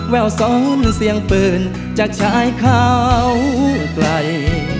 แววซ้อมเสียงปืนจากชายเขาไกล